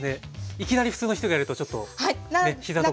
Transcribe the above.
いきなり普通の人がやるとちょっとね膝とか。